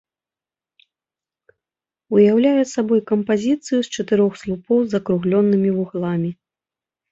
Уяўляе сабой кампазіцыю з чатырох слупоў з закругленымі вугламі.